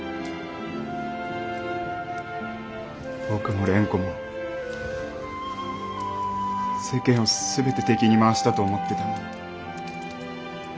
僕も蓮子も世間を全て敵に回したと思ってたのに。